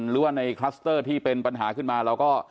หรือว่าในคลัสเตอร์ที่เป็นปัญหาขึ้นมาเราก็